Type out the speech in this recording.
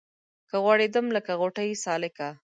که غوړېدم لکه غوټۍ سالکه